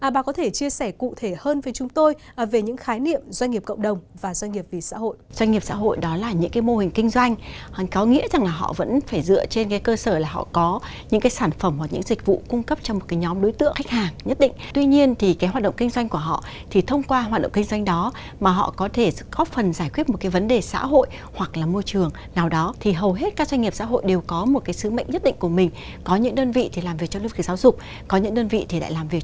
bà có thể chia sẻ cụ thể hơn với chúng tôi về những khái niệm doanh nghiệp cộng đồng và doanh nghiệp vì xã hội